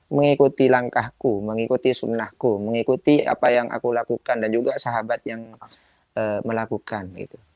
mengikuti langkahku mengikuti sunnahku mengikuti apa yang aku lakukan dan juga sahabat yang melakukan